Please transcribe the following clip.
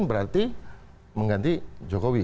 berarti mengganti jokowi